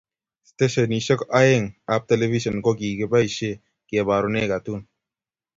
Stashenishek aeng ab telepishen kokikipaishe kebarune katun.